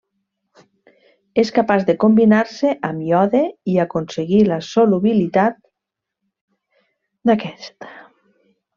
És capaç de combinar-se amb iode i aconseguir la solubilitat d'aquest.